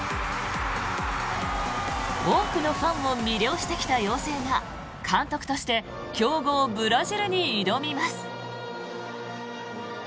多くのファンを魅了してきた妖精が監督として強豪ブラジルに挑みます。